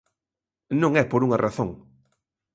Non e por unha razón.